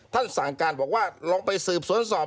สั่งการบอกว่าลองไปสืบสวนสอบ